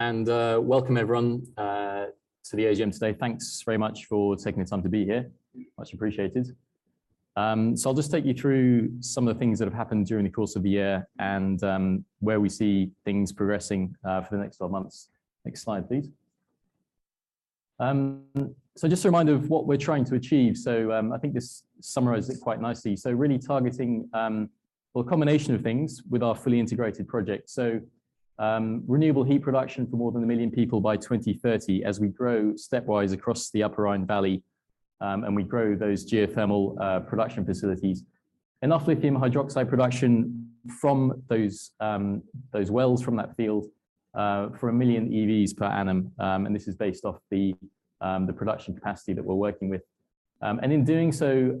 Welcome everyone to the AGM today. Thanks very much for taking the time to be here. Much appreciated. I'll just take you through some of the things that have happened during the course of the year and where we see things progressing for the next 12 months. Next slide, please. Just a reminder of what we're trying to achieve. I think this summarizes it quite nicely. Really targeting, well, a combination of things with our fully integrated project. Renewable heat production for more than one million people by 2030 as we grow stepwise across the Upper Rhine Valley, and we grow those geothermal production facilities. Enough lithium hydroxide production from those those wells from that field for one million EVs per annum. This is based off the production capacity that we're working with. In doing so,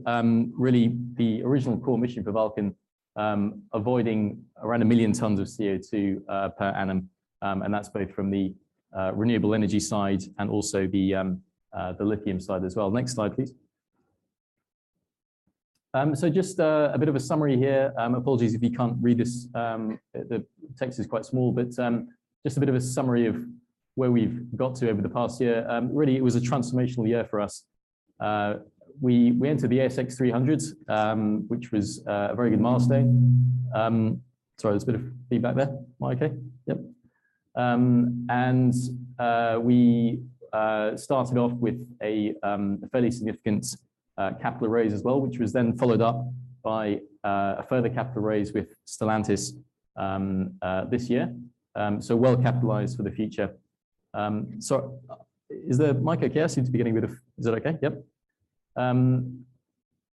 really the original core mission for Vulcan, avoiding around one million tons of CO2 per annum. That's both from the renewable energy side and also the lithium side as well. Next slide, please. Just a bit of a summary here. Apologies if you can't read this. The text is quite small. Just a bit of a summary of where we've got to over the past year. Really it was a transformational year for us. We entered the ASX 300s, which was a very good milestone. Sorry, there's a bit of feedback there. Mic okay? Yep. We started off with a fairly significant capital raise as well, which was followed up by a further capital raise with Stellantis this year. Well capitalized for the future. Is the mic okay? I seem to be getting a bit of. Is that okay? Yep.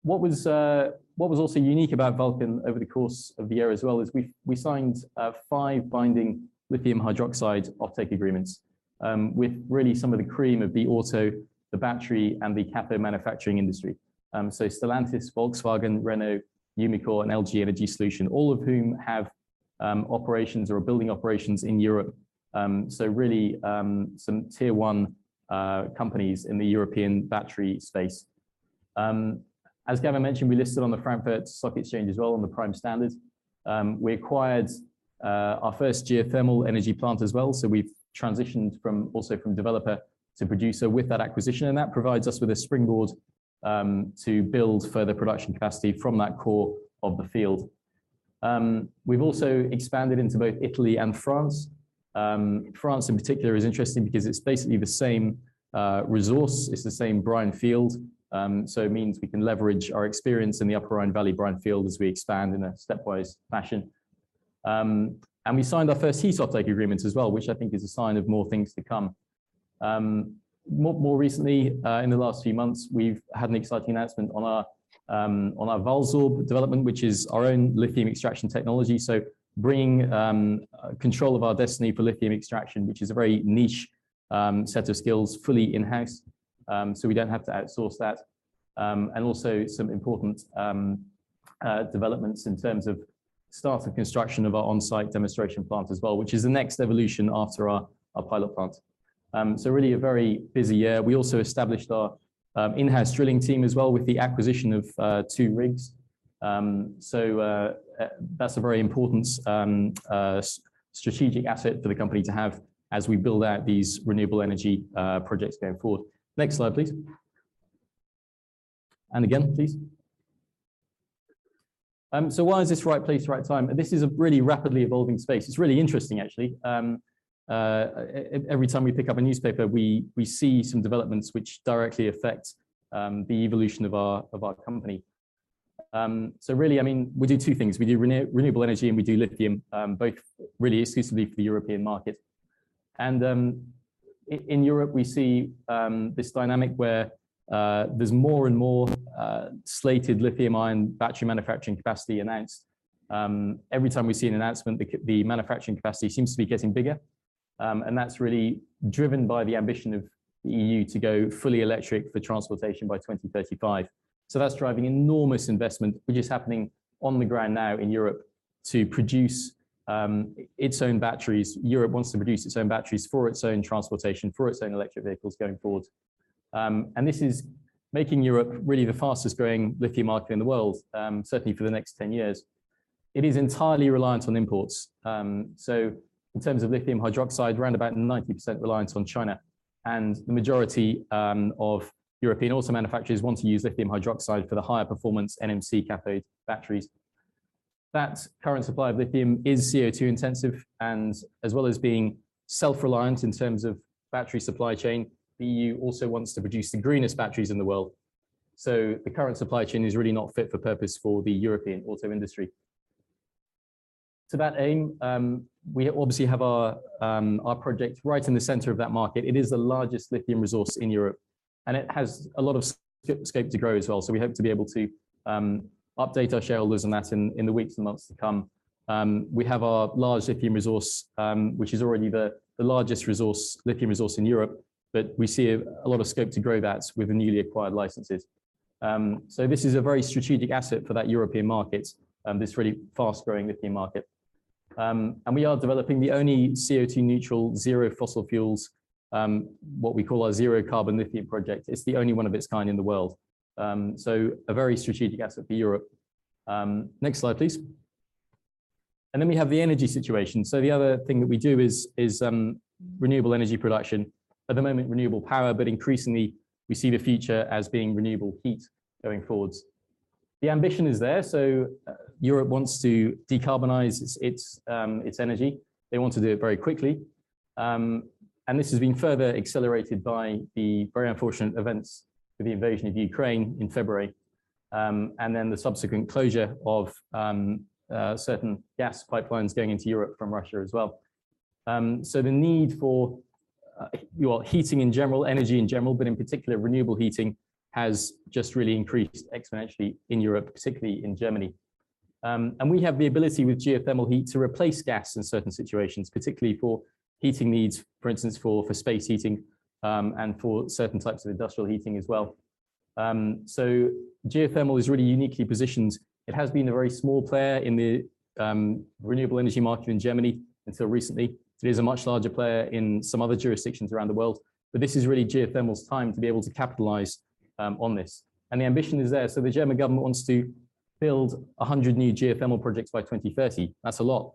What was also unique about Vulcan over the course of the year as well is we signed five binding lithium hydroxide offtake agreements with really some of the cream of the auto, the battery, and the cathode manufacturing industry. Stellantis, Volkswagen, Renault, Umicore, and LG Energy Solution, all of whom have operations or are building operations in Europe. Really, some tier one companies in the European battery space. As Gavin mentioned, we listed on the Frankfurt Stock Exchange as well on the Prime Standard. We acquired our first geothermal energy plant as well, so we've transitioned from, also from developer to producer with that acquisition, and that provides us with a springboard to build further production capacity from that core of the field. We've also expanded into both Italy and France. France in particular is interesting because it's basically the same resource. It's the same brine field. It means we can leverage our experience in the Upper Rhine Valley brine field as we expand in a stepwise fashion. We signed our first heat offtake agreements as well, which I think is a sign of more things to come. More recently, in the last few months, we've had an exciting announcement on our VULSORB development, which is our own lithium extraction technology. Bringing control of our destiny for lithium extraction, which is a very niche set of skills, fully in-house, so we don't have to outsource that. Also some important developments in terms of start of construction of our on-site demonstration plant as well, which is the next evolution after our pilot plant. Really a very busy year. We also established our in-house drilling team as well with the acquisition of two rigs. That's a very important strategic asset for the company to have as we build out these renewable energy projects going forward. Next slide, please. Again, please. Why is this right place, right time? This is a really rapidly evolving space. It's really interesting actually. Every time we pick up a newspaper, we see some developments which directly affect the evolution of our company. Really, I mean, we do two things. We do renewable energy, and we do lithium, both really exclusively for the European market. In Europe, we see this dynamic where there's more and more slated lithium-ion battery manufacturing capacity announced. Every time we see an announcement, the manufacturing capacity seems to be getting bigger, that's really driven by the ambition of the EU to go fully electric for transportation by 2035. That's driving enormous investment, which is happening on the ground now in Europe to produce its own batteries. Europe wants to produce its own batteries for its own transportation, for its own electric vehicles going forward. This is making Europe really the fastest-growing lithium market in the world, certainly for the next 10 years. It is entirely reliant on imports. In terms of lithium hydroxide, around about 90% reliance on China. The majority of European auto manufacturers want to use lithium hydroxide for the higher performance NMC cathode batteries. That current supply of lithium is CO2 intensive and as well as being self-reliant in terms of battery supply chain, EU also wants to produce the greenest batteries in the world. The current supply chain is really not fit for purpose for the European auto industry. To that aim, we obviously have our project right in the center of that market. It is the largest lithium resource in Europe, and it has a lot of scope to grow as well, so we hope to be able to update our shareholders on that in the weeks and months to come. We have our large lithium resource, which is already the largest resource, lithium resource in Europe, but we see a lot of scope to grow that with the newly acquired licenses. So this is a very strategic asset for that European market, this really fast-growing lithium market. We are developing the only CO2 neutral, zero fossil fuels, what we call our Zero Carbon Lithium project. It's the only one of its kind in the world. So a very strategic asset for Europe. Next slide please. Then we have the energy situation. The other thing that we do is renewable energy production. At the moment, renewable power, increasingly we see the future as being renewable heat going forwards. The ambition is there, Europe wants to decarbonize its energy. They want to do it very quickly. This has been further accelerated by the very unfortunate events with the invasion of Ukraine in February, and then the subsequent closure of certain gas pipelines going into Europe from Russia as well. The need for, well, heating in general, energy in general, but in particular renewable heating, has just really increased exponentially in Europe, particularly in Germany. We have the ability with geothermal heat to replace gas in certain situations, particularly for heating needs, for instance, for space heating, and for certain types of industrial heating as well. Geothermal is really uniquely positioned. It has been a very small player in the renewable energy market in Germany until recently. It is a much larger player in some other jurisdictions around the world. This is really geothermal's time to be able to capitalize on this. The ambition is there. The German government wants to build 100 new geothermal projects by 2030. That's a lot.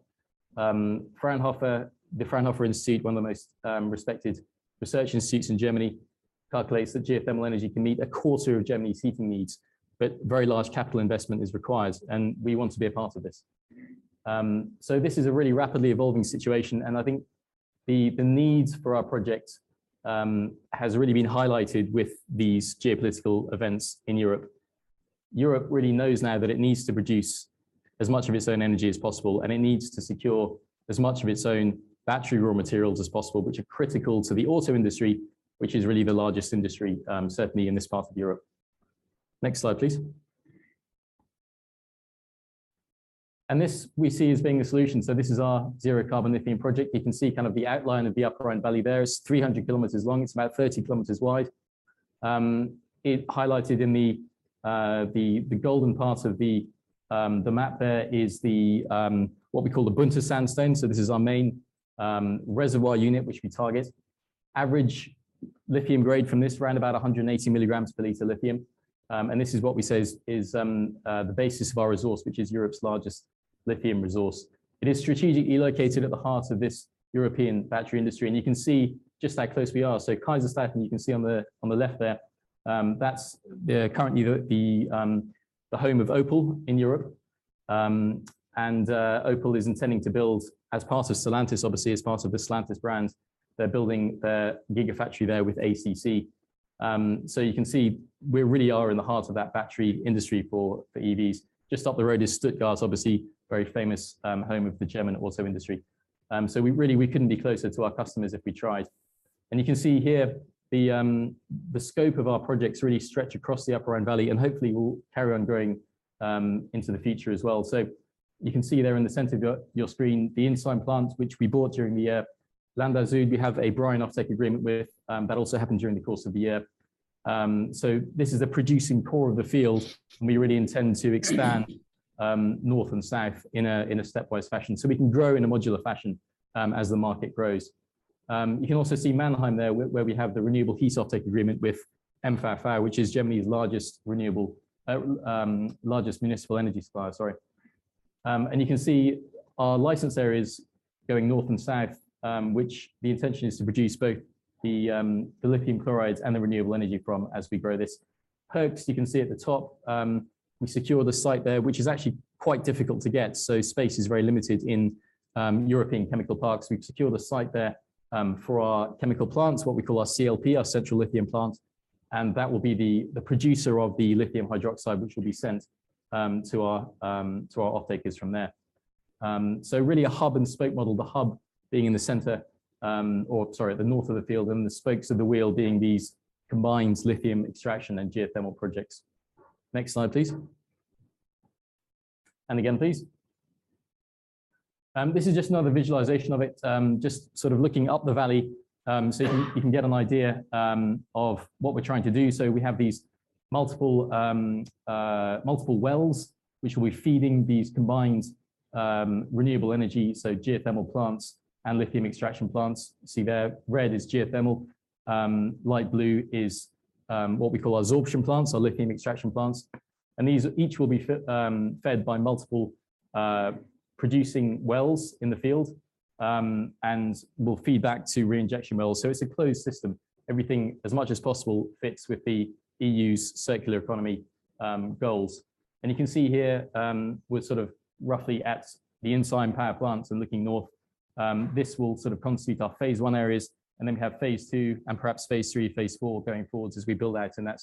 Fraunhofer, the Fraunhofer Institute, one of the most respected research institutes in Germany, calculates that geothermal energy can meet a quarter of Germany's heating needs. Very large capital investment is required, and we want to be a part of this. This is a really rapidly evolving situation, and I think the needs for our project, has really been highlighted with these geopolitical events in Europe. Europe really knows now that it needs to produce as much of its own energy as possible, and it needs to secure as much of its own battery raw materials as possible, which are critical to the auto industry, which is really the largest industry, certainly in this part of Europe. Next slide, please. This we see as being a solution. This is our Zero Carbon Lithium project. You can see kind of the outline of the Upper Rhine Valley there. It's 300 km long, it's about 30 km wide. Highlighted in the golden part of the map there is what we call the Buntsandstein. This is our main reservoir unit, which we target. Average lithium grade from this ran about 180 mg/L lithium. This is what we say is the basis of our resource, which is Europe's largest lithium resource. It is strategically located at the heart of this European battery industry. You can see just how close we are. Kaiserslautern you can see on the left there, that's currently the home of Opel in Europe. Opel is intending to build as part of Stellantis, obviously as part of the Stellantis brand, they're building their gigafactory there with ACC. You can see we really are in the heart of that battery industry for EVs. Just up the road is Stuttgart, obviously very famous, home of the German auto industry. We really, we couldn't be closer to our customers if we tried. You can see here the scope of our projects really stretch across the Upper Rhine Valley, and hopefully we'll carry on growing into the future as well. You can see there in the center of your screen the Insheim plant, which we bought during the year. Landau-Zweibrücken we have a brine offtake agreement with, that also happened during the course of the year. This is the producing core of the field, and we really intend to expand north and south in a, in a stepwise fashion, so we can grow in a modular fashion as the market grows. You can also see Mannheim there where we have the renewable heat offtake agreement with MVV, which is Germany's largest renewable largest municipal energy supplier, sorry. You can see our license areas going north and south, which the intention is to produce both the lithium chlorides and the renewable energy from as we grow this. Herx, you can see at the top, we secure the site there, which is actually quite difficult to get. Space is very limited in European chemical parks. We've secured a site there for our chemical plants, what we call our CLP, our central lithium plant. That will be the producer of the lithium hydroxide, which will be sent to our offtakers from there. Really a hub-and-spoke model, the hub being in the center, or sorry, the north of the field, and the spokes of the wheel being these combined lithium extraction and geothermal projects. Next slide, please. Again, please. This is just another visualization of it, just sort of looking up the valley, so you can get an idea of what we're trying to do. We have these multiple wells, which will be feeding these combined renewable energy, so geothermal plants and lithium extraction plants. You see there, red is geothermal. Light blue is what we call our adsorption plants, our lithium extraction plants. These each will be fed by multiple producing wells in the field and will feed back to reinjection wells. It's a closed system. Everything as much as possible fits with the EU's circular economy goals. You can see here, we're sort of roughly at the Insheim power plants and looking north. This will sort of constitute our Phase 1 areas, and then we have Phase 2 and perhaps Phase 3, Phase 4 going forwards as we build out in that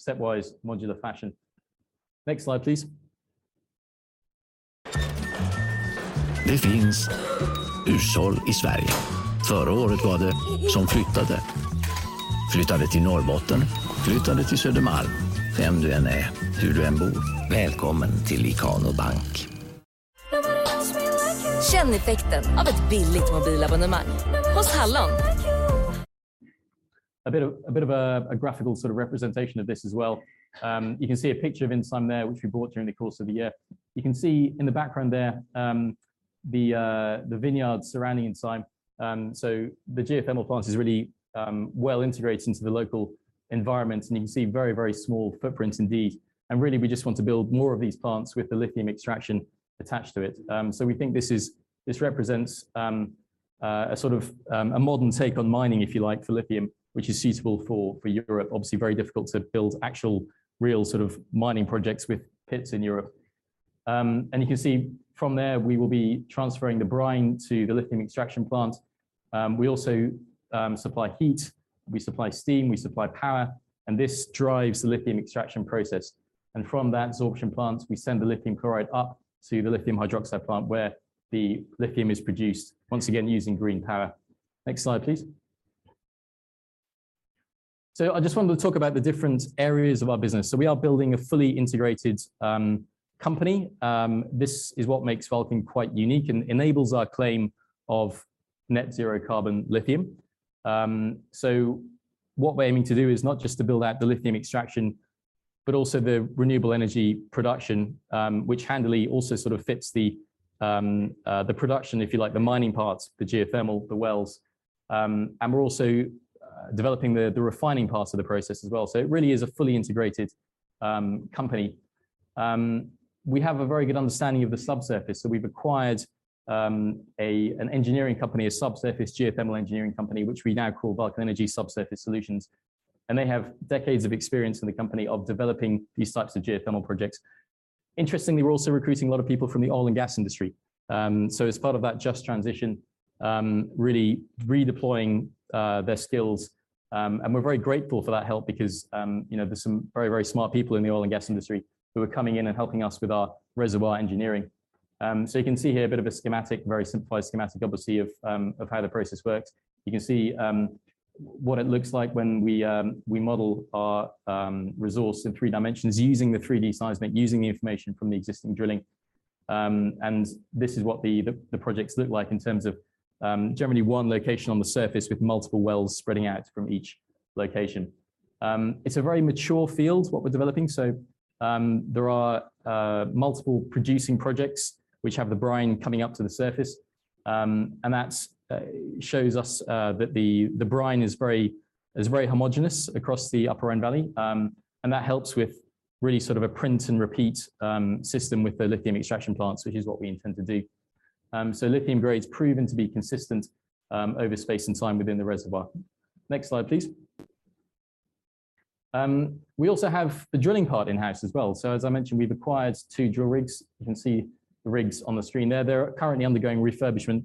stepwise modular fashion. Next slide, please. A graphical sort of representation of this as well. You can see a picture of Insheim there, which we bought during the course of the year. You can see in the background there. The vineyard surrounding Insheim. So the geothermal plant is really well integrated into the local environment, and you can see very, very small footprint indeed. Really we just want to build more of these plants with the lithium extraction attached to it. So we think this represents a sort of a modern take on mining, if you like, for lithium, which is suitable for Europe. Obviously very difficult to build actual real sort of mining projects with pits in Europe. You can see from there, we will be transferring the brine to the lithium extraction plant. We also supply heat, we supply steam, we supply power, and this drives the lithium extraction process. From that adsorption plant, we send the lithium chloride up to the lithium hydroxide plant where the lithium is produced, once again using green power. Next slide, please. I just wanted to talk about the different areas of our business. We are building a fully integrated company. This is what makes Vulcan quite unique and enables our claim of Zero Carbon Lithium. What we're aiming to do is not just to build out the lithium extraction, but also the renewable energy production, which handily also sort of fits the production, if you like, the mining parts, the geothermal, the wells. We're also developing the refining parts of the process as well. It really is a fully integrated company. We have a very good understanding of the subsurface. We've acquired an engineering company, a subsurface geothermal engineering company, which we now call Vulcan Energy Subsurface Solutions, and they have decades of experience in the company of developing these types of geothermal projects. Interestingly, we're also recruiting a lot of people from the oil and gas industry. As part of that just transition, really redeploying their skills. We're very grateful for that help because, you know, there's some very, very smart people in the oil and gas industry who are coming in and helping us with our reservoir engineering. You can see here a bit of a schematic, very simplified schematic, obviously, of how the process works. You can see, what it looks like when we model our resource in three dimensions using the 3D seismic, using the information from the existing drilling. This is what the projects look like in terms of generally one location on the surface with multiple wells spreading out from each location. It's a very mature field, what we're developing. There are multiple producing projects which have the brine coming up to the surface. That's shows us that the brine is very, is very homogeneous across the Upper Rhine Valley. That helps with really sort of a print and repeat system with the lithium extraction plants, which is what we intend to do. Lithium grade's proven to be consistent over space and time within the reservoir. Next slide, please. We also have the drilling part in-house as well. As I mentioned, we've acquired two drill rigs. You can see the rigs on the screen there. They're currently undergoing refurbishment,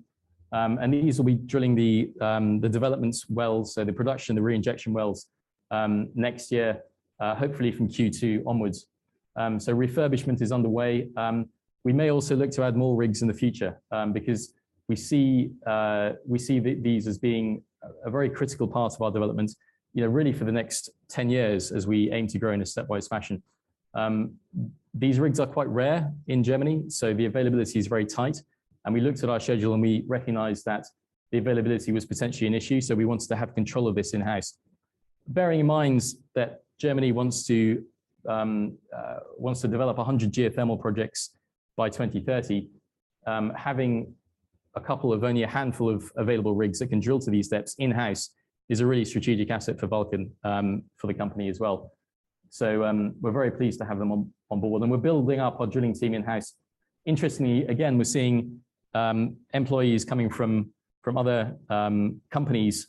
and these will be drilling the developments wells, so the production, the reinjection wells, next year, hopefully from Q2 onwards. Refurbishment is underway. We may also look to add more rigs in the future, because we see these as being a very critical part of our development, you know, really for the next 10 years as we aim to grow in a stepwise fashion. These rigs are quite rare in Germany, so the availability is very tight. We looked at our schedule, and we recognized that the availability was potentially an issue, so we wanted to have control of this in-house. Bearing in mind that Germany wants to develop 100 geothermal projects by 2030, having a couple of only a handful of available rigs that can drill to these depths in-house is a really strategic asset for Vulcan for the company as well. We're very pleased to have them on board, and we're building up our drilling team in-house. Interestingly, again, we're seeing employees coming from other companies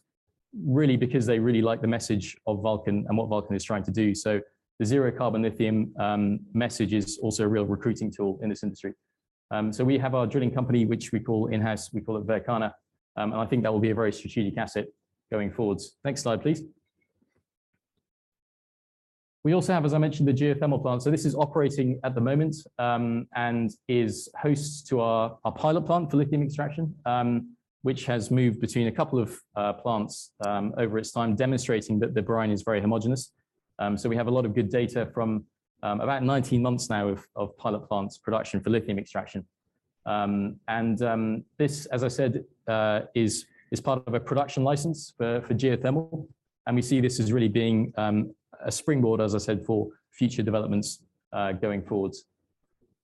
really because they really like the message of Vulcan and what Vulcan is trying to do. The Zero Carbon Lithium message is also a real recruiting tool in this industry. We have our drilling company, which we call in-house, we call it Vercana. I think that will be a very strategic asset going forwards. Next slide, please. We also have, as I mentioned, the geothermal plant. This is operating at the moment, and is host to our pilot plant for lithium extraction, which has moved between a couple of plants over its time, demonstrating that the brine is very homogeneous. We have a lot of good data from about 19 months now of pilot plant production for lithium extraction. And this, as I said, is part of a production license for geothermal, and we see this as really being a springboard, as I said, for future developments going forwards.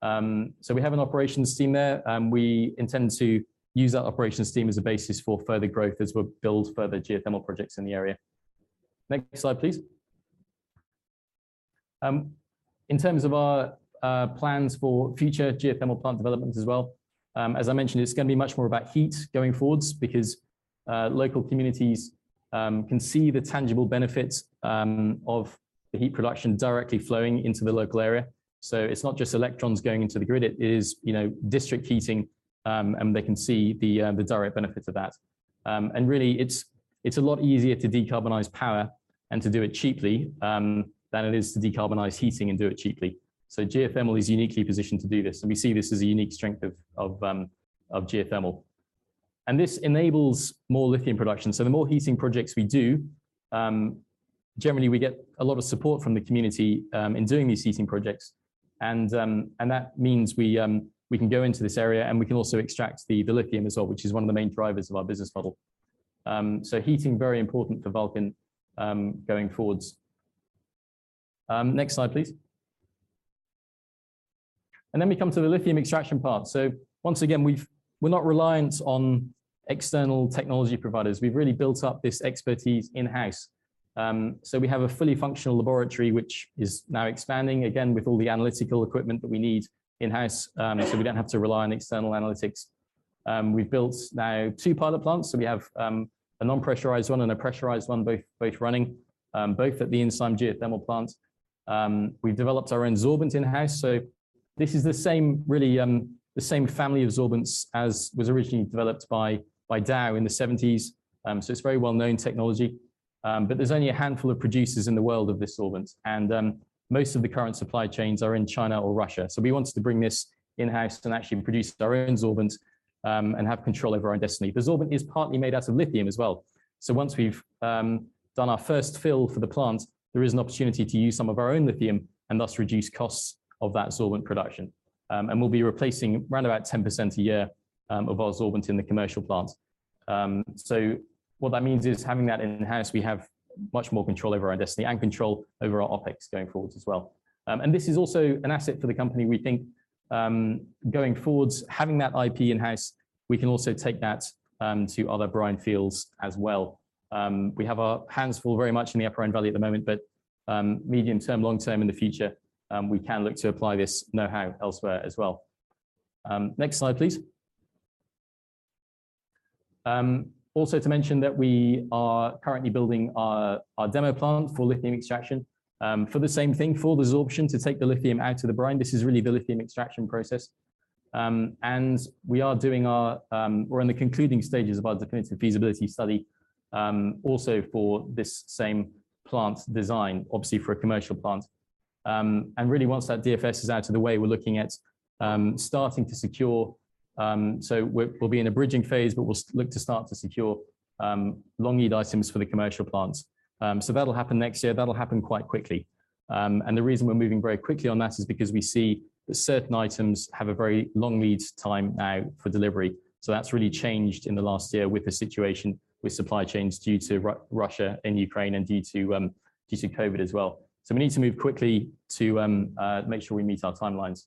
We have an operations team there, and we intend to use that operations team as a basis for further growth as we build further geothermal projects in the area. Next slide, please. In terms of our plans for future geothermal plant developments as well, as I mentioned, it's gonna be much more about heat going forward because local communities can see the tangible benefits of the heat production directly flowing into the local area. It's not just electrons going into the grid, it is, you know, district heating, and they can see the direct benefits of that. Really, it's a lot easier to decarbonize power and to do it cheaply than it is to decarbonize heating and do it cheaply. Geothermal is uniquely positioned to do this, and we see this as a unique strength of geothermal. This enables more lithium production. The more heating projects we do, generally we get a lot of support from the community in doing these heating projects. That means we can go into this area, and we can also extract the lithium as well, which is one of the main drivers of our business model. Heating very important for Vulcan going forwards. Next slide, please. We come to the lithium extraction part. Once again, we're not reliant on external technology providers. We've really built up this expertise in-house. We have a fully functional laboratory which is now expanding, again, with all the analytical equipment that we need in-house, so we don't have to rely on external analytics. We've built now two pilot plants, so we have a non-pressurized one and a pressurized one, both running, both at the Insheim geothermal plant. We've developed our own sorbent in-house, so this is the same really, the same family of sorbents as was originally developed by Dow in the 1970s. It's very well-known technology. There's only a handful of producers in the world of this sorbent, and most of the current supply chains are in China or Russia. We wanted to bring this in-house and actually produce our own sorbent, and have control over our own destiny. The sorbent is partly made out of lithium as well. Once we've done our first fill for the plant, there is an opportunity to use some of our own lithium and thus reduce costs of that sorbent production. We'll be replacing around about 10% a year of our sorbent in the commercial plant. What that means is having that in-house, we have much more control over our destiny and control over our OpEx going forwards as well. This is also an asset for the company. We think, going forwards, having that IP in-house, we can also take that to other brine fields as well. We have our hands full very much in the Upper Rhine Valley at the moment. Medium-term, long-term in the future, we can look to apply this know-how elsewhere as well. Next slide, please. Also to mention that we are currently building our demo plant for lithium extraction, for the same thing, for the sorption to take the lithium out of the brine. This is really the lithium extraction process. We're in the concluding stages of our definitive feasibility study, also for this same plant design, obviously for a commercial plant. Really once that DFS is out of the way, we're looking at starting to secure. We'll be in a bridging phase, but we'll look to start to secure long lead items for the commercial plant. That'll happen next year. That'll happen quite quickly. The reason we're moving very quickly on that is because we see that certain items have a very long lead time now for delivery. That's really changed in the last year with the situation with supply chains due to Russia and Ukraine and due to COVID as well. We need to move quickly to make sure we meet our timelines.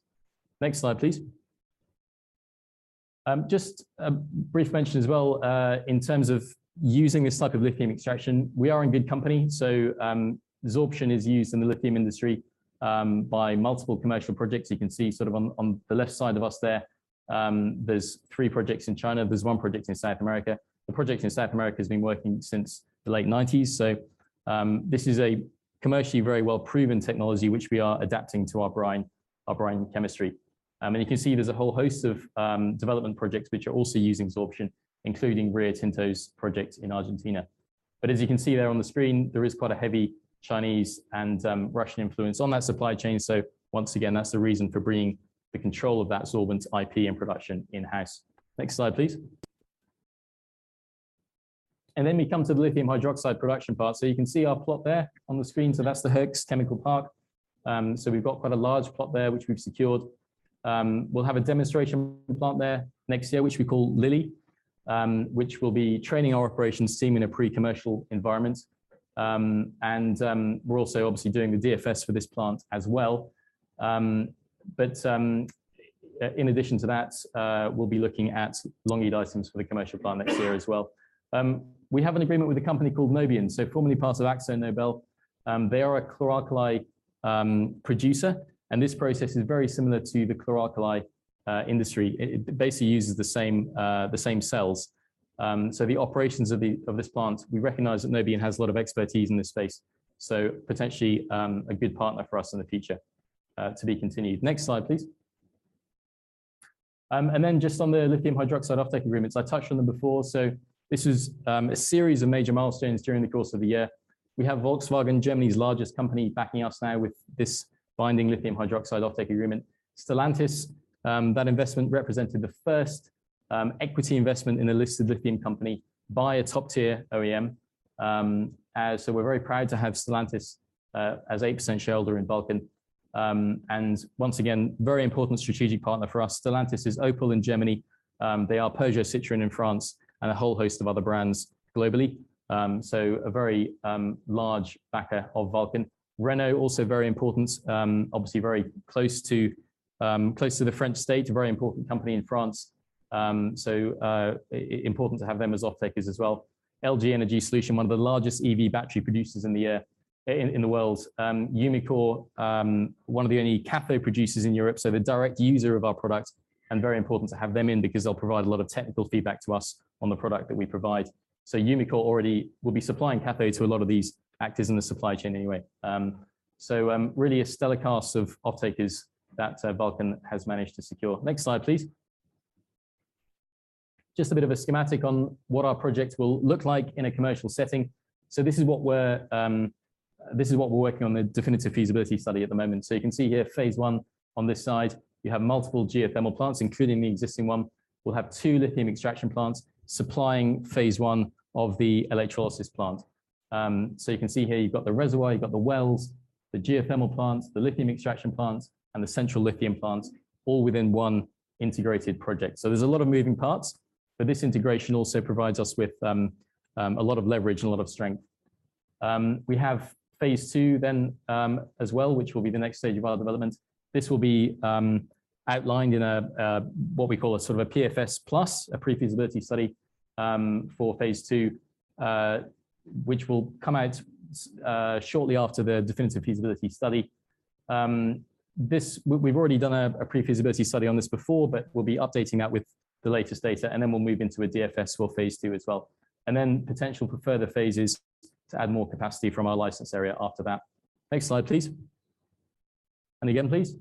Next slide, please. Just a brief mention as well, in terms of using this type of lithium extraction. We are in good company, sorption is used in the lithium industry, by multiple commercial projects. You can see sort of on the left side of us there's three projects in China. There's one project in South America. The project in South America has been working since the late 1990s. This is a commercially very well-proven technology which we are adapting to our brine, our brine chemistry. You can see there's a whole host of development projects which are also using sorption, including Rio Tinto's project in Argentina. As you can see there on the screen, there is quite a heavy Chinese and Russian influence on that supply chain. Once again, that's the reason for bringing the control of that sorbent IP and production in-house. Next slide, please. Then we come to the lithium hydroxide production part. You can see our plot there on the screen. That's the Herx Chemical Park. We've got quite a large plot there which we've secured. We'll have a demonstration plant there next year, which we call LiLy, which will be training our operations team in a pre-commercial environment. We're also obviously doing the DFS for this plant as well. In addition to that, we'll be looking at long lead items for the commercial plant next year as well. We have an agreement with a company called Nobian, so formerly part of AkzoNobel. They are a chloralkali producer, and this process is very similar to the chloralkali industry. It basically uses the same cells. The operations of this plant, we recognize that Nobian has a lot of expertise in this space, so potentially a good partner for us in the future. To be continued. Next slide, please. Just on the lithium hydroxide offtake agreements, I touched on them before. This is a series of major milestones during the course of the year. We have Volkswagen, Germany's largest company, backing us now with this binding lithium hydroxide offtake agreement. Stellantis, that investment represented the first equity investment in a listed lithium company by a top-tier OEM. We're very proud to have Stellantis as 8% shareholder in Vulcan. Once again, very important strategic partner for us. Stellantis is Opel in Germany. They are Peugeot Citroën in France and a whole host of other brands globally. A very large backer of Vulcan. Renault also very important. Obviously very close to close to the French state, a very important company in France. Important to have them as offtakers as well. LG Energy Solution, one of the largest EV battery producers in the world. Umicore, one of the only cathode producers in Europe, so the direct user of our product. Very important to have them in because they'll provide a lot of technical feedback to us on the product that we provide. Umicore already will be supplying cathode to a lot of these actors in the supply chain anyway. Really a stellar cast of offtakers that Vulcan has managed to secure. Next slide, please. Just a bit of a schematic on what our project will look like in a commercial setting. This is what we're working on, the definitive feasibility study at the moment. You can see here, Phase 1 on this side. You have multiple geothermal plants, including the existing one. We'll have two lithium extraction plants supplying Phase 1 of the electrolysis plant. You can see here you've got the reservoir, you've got the wells, the geothermal plants, the lithium extraction plants, and the central lithium plants all within one integrated project. There's a lot of moving parts, but this integration also provides us with a lot of leverage and a lot of strength. We have Phase 2 then as well, which will be the next stage of our development. This will be outlined in what we call a sort of a PFS plus, a pre-feasibility study for Phase 2, which will come out shortly after the definitive feasibility study. We've already done a pre-feasibility study on this before, but we'll be updating that with the latest data, and then we'll move into a DFS for Phase 2 as well. Potential for further phases to add more capacity from our license area after that. Next slide, please. Again, please.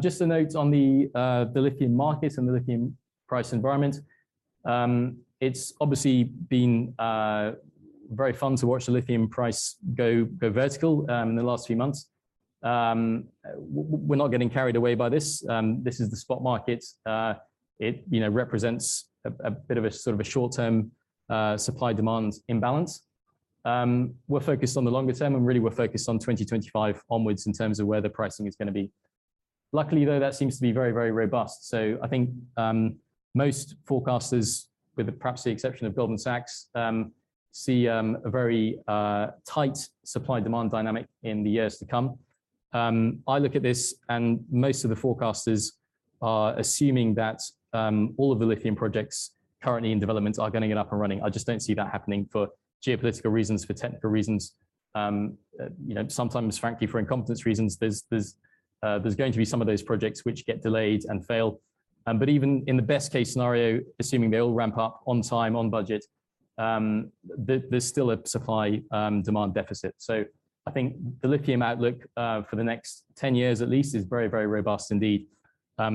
Just a note on the lithium market and the lithium price environment. It's obviously been very fun to watch the lithium price go vertical in the last few months. We're not getting carried away by this. This is the spot market. It, you know, represents a bit of a sort of a short-term supply-demand imbalance. We're focused on the longer term, and really we're focused on 2025 onwards in terms of where the pricing is gonna be. Luckily, though, that seems to be very, very robust. I think, most forecasters, with perhaps the exception of Goldman Sachs, see a very tight supply-demand dynamic in the years to come. I look at this and most of the forecasters are assuming that all of the lithium projects currently in development are gonna get up and running. I just don't see that happening for geopolitical reasons, for technical reasons, you know, sometimes, frankly, for incompetence reasons. There's going to be some of those projects which get delayed and fail. Even in the best-case scenario, assuming they all ramp up on time, on budget, there's still a supply, demand deficit. I think the lithium outlook for the next 10 years at least is very, very robust indeed.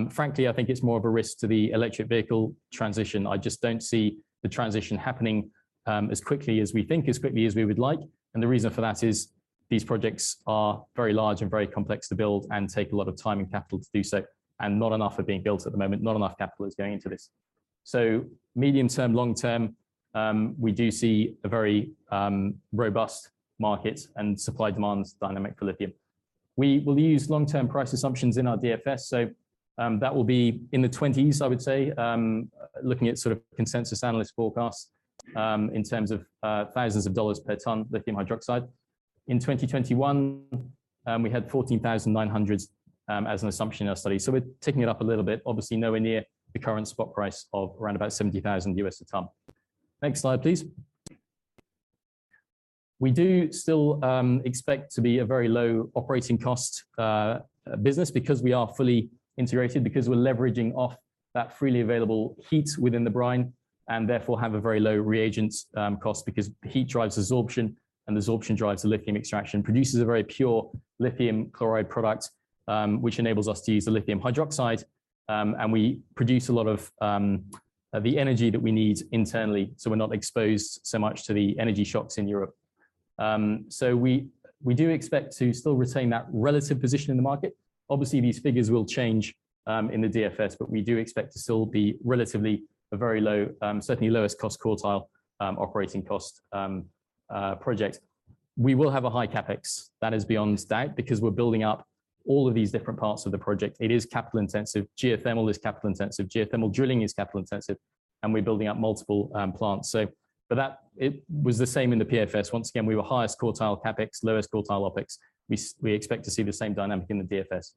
Frankly, I think it's more of a risk to the electric vehicle transition. I just don't see the transition happening as quickly as we think, as quickly as we would like. The reason for that is these projects are very large and very complex to build and take a lot of time and capital to do so, and not enough are being built at the moment. Not enough capital is going into this. Medium-term, long-term, we do see a very robust market and supply-demand dynamic for lithium. We will use long-term price assumptions in our DFS. That will be in the 20s, I would say, looking at sort of consensus analyst forecasts, in terms of thousands of dollars per ton lithium hydroxide. In 2021, we had $14,900 as an assumption in our study. We're ticking it up a little bit. Obviously nowhere near the current spot price of around about $70,000 US a ton. Next slide, please. We do still expect to be a very low operating cost business because we are fully integrated, because we're leveraging off that freely available heat within the brine and therefore have a very low reagents cost because heat drives adsorption, and adsorption drives the lithium extraction, produces a very pure lithium chloride product, which enables us to use the lithium hydroxide. We produce a lot of the energy that we need internally, so we're not exposed so much to the energy shocks in Europe. We do expect to still retain that relative position in the market. Obviously, these figures will change in the DFS, but we do expect to still be relatively a very low, certainly lowest cost quartile operating cost project. We will have a high CapEx. That is beyond doubt because we're building up all of these different parts of the project. It is capital-intensive. Geothermal is capital-intensive. Geothermal drilling is capital-intensive. We're building up multiple plants. It was the same in the PFS. Once again, we were highest quartile CapEx, lowest quartile OpEx. We expect to see the same dynamic in the DFS.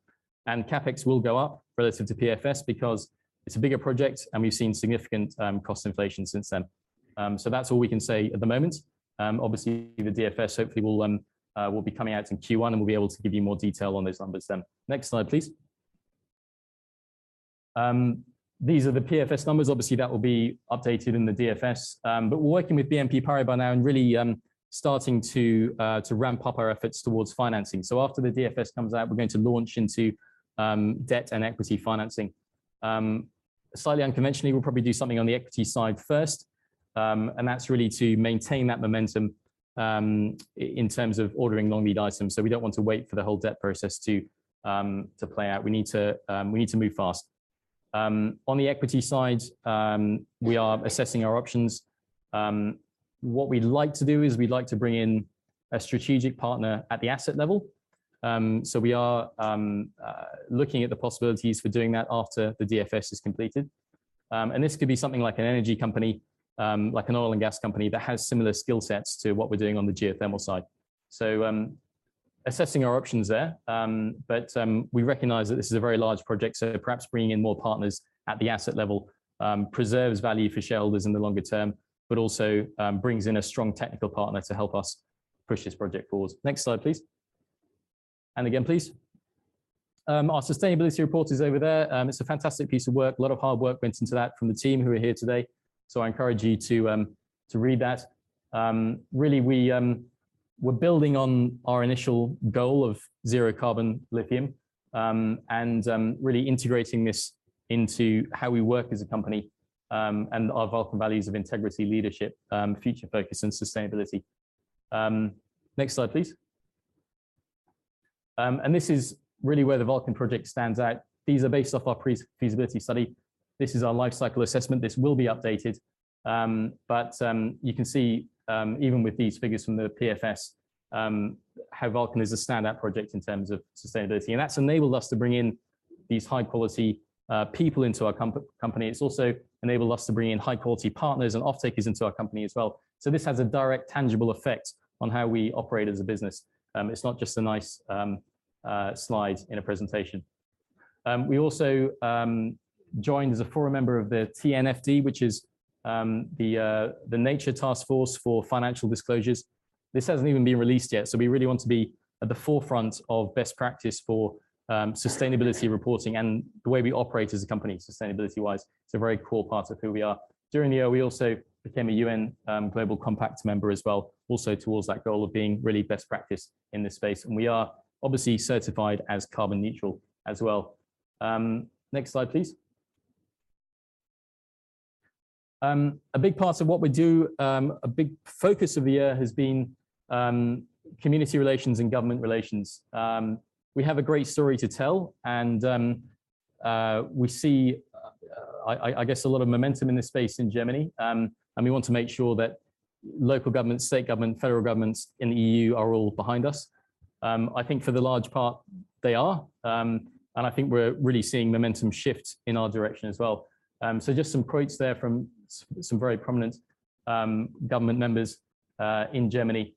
CapEx will go up relative to PFS because it's a bigger project and we've seen significant cost inflation since then. That's all we can say at the moment. Obviously the DFS hopefully will be coming out in Q1, we'll be able to give you more detail on those numbers then. Next slide, please. These are the PFS numbers. Obviously, that will be updated in the DFS. We're working with BNP Paribas now and really starting to ramp up our efforts towards financing. After the DFS comes out, we're going to launch into debt and equity financing. Slightly unconventionally, we'll probably do something on the equity side first. That's really to maintain that momentum in terms of ordering long-lead items. We don't want to wait for the whole debt process to play out. We need to move fast. On the equity side, we are assessing our options. What we'd like to do is we'd like to bring in a strategic partner at the asset level. We are looking at the possibilities for doing that after the DFS is completed. This could be something like an energy company, like an oil and gas company that has similar skill sets to what we're doing on the geothermal side. Assessing our options there. We recognize that this is a very large project, so perhaps bringing in more partners at the asset level, preserves value for shareholders in the longer term, but also, brings in a strong technical partner to help us push this project forward. Next slide, please. Again, please. Our sustainability report is over there. It's a fantastic piece of work. A lot of hard work went into that from the team who are here today. I encourage you to read that. Really we're building on our initial goal of Zero Carbon Lithium, and really integrating this into how we work as a company, and our Vulcan values of integrity, leadership, future focus and sustainability. Next slide, please. This is really where the Vulcan project stands out. These are based off our pre-feasibility study. This is our life cycle assessment. This will be updated. You can see, even with these figures from the PFS, how Vulcan is a standout project in terms of sustainability. That's enabled us to bring in these high quality people into our company. It's also enabled us to bring in high quality partners and offtakers into our company as well. This has a direct tangible effect on how we operate as a business. It's not just a nice slide in a presentation. We also joined as a forum member of the TNFD, which is the nature task force for financial disclosures. This hasn't even been released yet. We really want to be at the forefront of best practice for sustainability reporting and the way we operate as a company sustainability-wise. It's a very core part of who we are. During the year, we also became a UN Global Compact member as well, also towards that goal of being really best practice in this space, and we are obviously certified as carbon neutral as well. Next slide, please. A big part of what we do, a big focus of the year has been community relations and government relations. We have a great story to tell, and we see, I guess a little momentum in this space in Germany. We want to make sure that local governments, state government, federal governments in the EU are all behind us. I think for the large part they are, and I think we're really seeing momentum shift in our direction as well. Just some quotes there from some very prominent government members in Germany,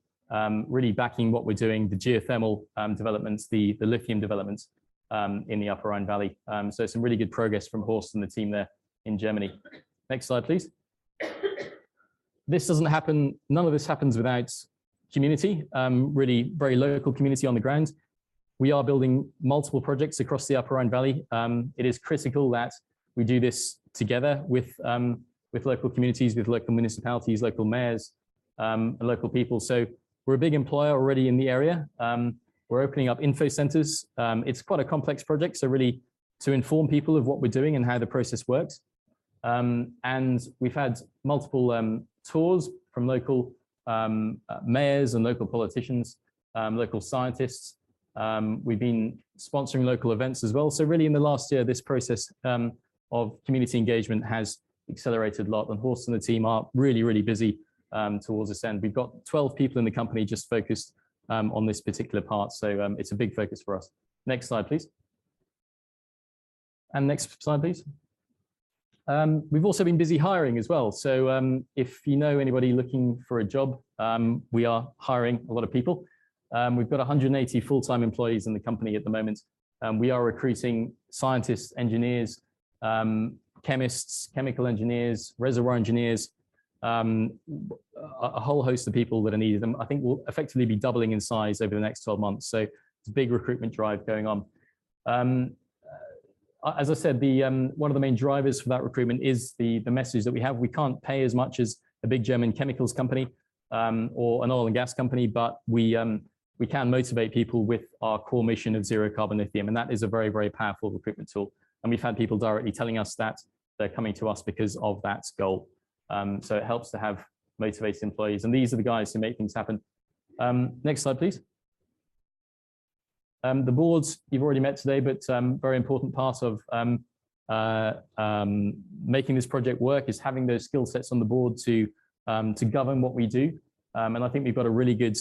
really backing what we're doing, the geothermal developments, the lithium developments in the Upper Rhine Valley. Some really good progress from Horst and the team there in Germany. Next slide, please. None of this happens without community, really very local community on the ground. We are building multiple projects across the Upper Rhine Valley. It is critical that we do this together with local communities, with local municipalities, local mayors and local people. We're a big employer already in the area. We're opening up info centers. It's quite a complex project, so really to inform people of what we're doing and how the process works. We've had multiple tours from local mayors and local politicians, local scientists. We've been sponsoring local events as well. Really in the last year, this process of community engagement has accelerated a lot, and Horst and the team are really busy towards this end. We've got 12 people in the company just focused on this particular part. It's a big focus for us. Next slide, please. Next slide, please. We've also been busy hiring as well. If you know anybody looking for a job, we are hiring a lot of people. We've got 180 full-time employees in the company at the moment. We are recruiting scientists, engineers, chemists, chemical engineers, reservoir engineers, a whole host of people that are needed. I think we'll effectively be doubling in size over the next 12 months. It's a big recruitment drive going on. As I said, one of the main drivers for that recruitment is the message that we have. We can't pay as much as a big German chemicals company or an oil and gas company, but we can motivate people with our core mission of Zero Carbon Lithium, and that is a very, very powerful recruitment tool. We've had people directly telling us that they're coming to us because of that goal. It helps to have motivated employees, and these are the guys who make things happen. Next slide, please. The boards you've already met today, very important part of making this project work is having those skill sets on the board to govern what we do. I think we've got a really good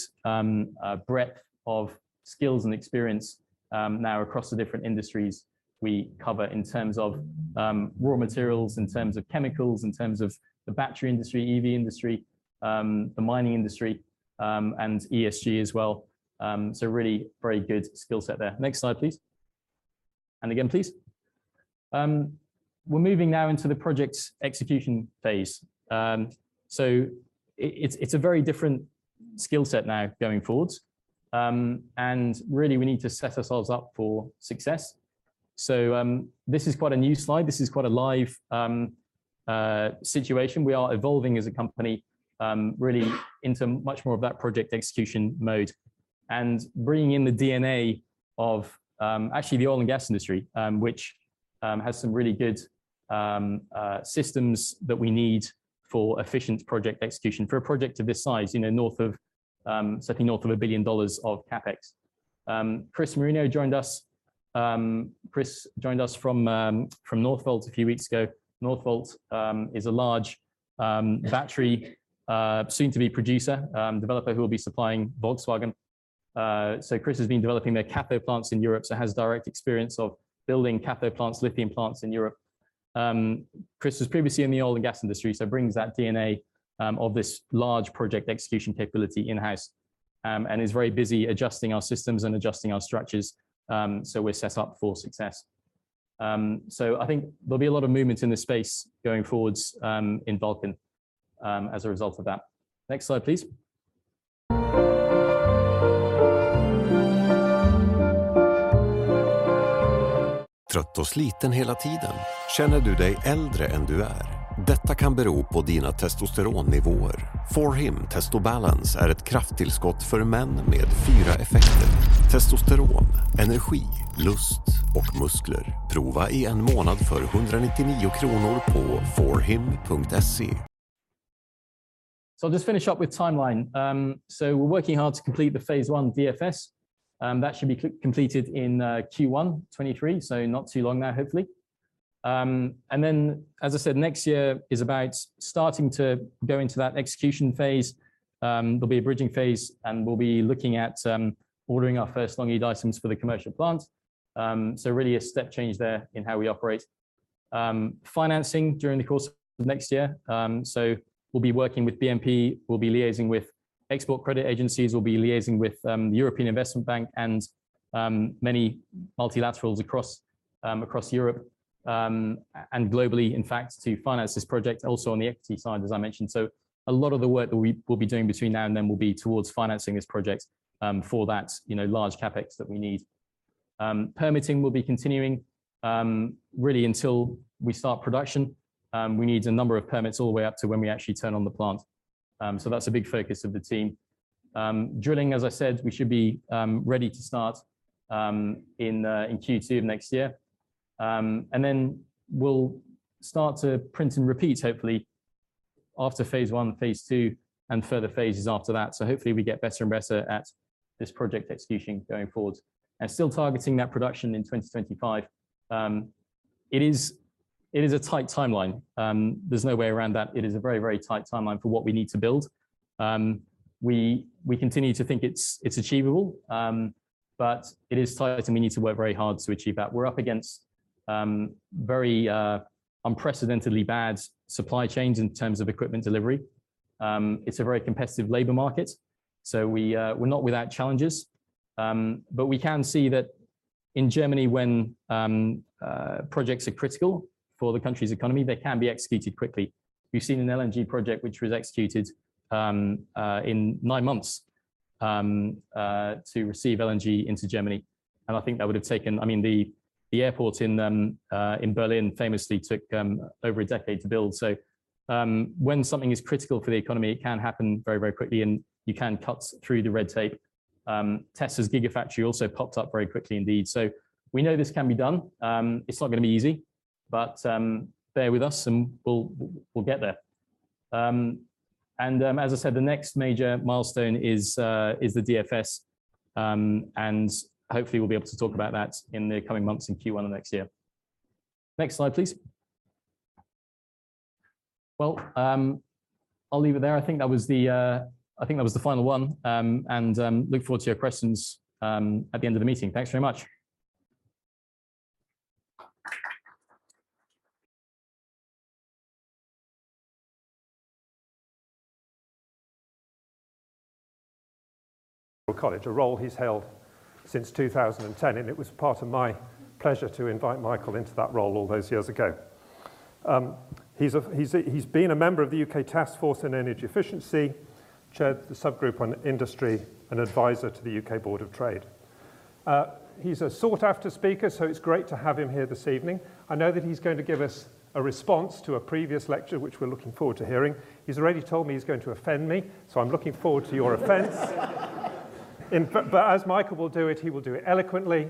breadth of skills and experience now across the different industries we cover in terms of raw materials, in terms of chemicals, in terms of the battery industry, EV industry, the mining industry, and ESG as well. Really very good skill set there. Next slide, please. Again, please. We're moving now into the project's execution phase. It's a very different skill set now going forwards. Really we need to set ourselves up for success. This is quite a new slide. This is quite a live situation. We are evolving as a company really into much more of that project execution mode and bringing in the DNA of actually the oil and gas industry, which has some really good systems that we need for efficient project execution for a project of this size, you know, north of certainly north of $1 billion of CapEx. Cris Moreno joined us. Cris joined us from Northvolt a few weeks ago. Northvolt is a large battery soon-to-be producer, developer who will be supplying Volkswagen. Cris has been developing their cathode plants in Europe, has direct experience of building cathode plants, lithium plants in Europe. Cris was previously in the oil and gas industry, brings that DNA of this large project execution capability in-house, is very busy adjusting our systems and adjusting our structures, we're set up for success. I think there'll be a lot of movement in this space going forwards in Vulcan as a result of that. Next slide, please. I'll just finish up with timeline. We're working hard to complete the Phase 1 DFS. That should be completed in Q1 2023, not too long now, hopefully. As I said, next year is about starting to go into that execution phase. There'll be a bridging phase, and we'll be looking at ordering our first long lead items for the commercial plant. Really a step change there in how we operate. Financing during the course of next year. We'll be working with BNP, we'll be liaising with export credit agencies, we'll be liaising with the European Investment Bank and many multilaterals across across Europe and globally in fact to finance this project. Also on the equity side, as I mentioned. A lot of the work that we will be doing between now and then will be towards financing this project for that, you know, large CapEx that we need. Permitting will be continuing really until we start production. We need a number of permits all the way up to when we actually turn on the plant. That's a big focus of the team. Drilling, as I said, we should be ready to start in Q2 of next year. Then we'll start to print and repeat, hopefully after Phase 1, Phase 2, and further phases after that. Hopefully we get better and better at this project execution going forward. Still targeting that production in 2025. It is a tight timeline. There's no way around that. It is a very tight timeline for what we need to build. We continue to think it's achievable, but it is tight and we need to work very hard to achieve that. We're up against very unprecedentedly bad supply chains in terms of equipment delivery. It's a very competitive labor market, so we're not without challenges. We can see that in Germany when projects are critical for the country's economy, they can be executed quickly. We've seen an LNG project which was executed in nine months to receive LNG into Germany. I think that would've taken. I mean, the airport in Berlin famously took over a decade to build. When something is critical for the economy, it can happen very, very quickly and you can cut through the red tape. Tesla's Gigafactory also popped up very quickly indeed. We know this can be done. It's not gonna be easy, bear with us and we'll get there. As I said, the next major milestone is the DFS. Hopefully we'll be able to talk about that in the coming months in Q1 of next year. Next slide, please. Well, I'll leave it there. I think that was the final one. Look forward to your questions at the end of the meeting. Thanks very much. College, a role he's held since 2010, it was part of my pleasure to invite Michael into that role all those years ago. He's a, he's a, he's been a member of the U.K. Task Force in Energy Efficiency, chaired the subgroup on industry, and advisor to the U.K. Board of Trade. He's a sought-after speaker, it's great to have him here this evening. I know that he's going to give us a response to a previous lecture, which we're looking forward to hearing. He's already told me he's going to offend me, I'm looking forward to your offense. As Michael will do it, he will do it eloquently,